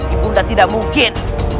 ibu nda tidak mungkin